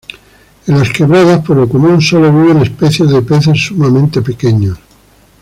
En las quebradas, por lo común, sólo viven especies de peces sumamente pequeños.